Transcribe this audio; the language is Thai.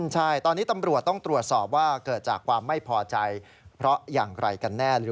ใช่ตอนนี้ตำรวจต้องตรวจสอบว่าเกิดจากความไม่พอใจเพราะอย่างไรกันแน่